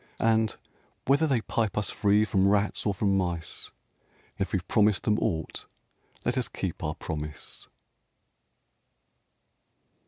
And, whether they pipe us free from rats or from mice, If we've promised them aught, let us keep our promise